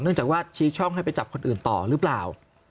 จากว่าชี้ช่องให้ไปจับคนอื่นต่อหรือเปล่า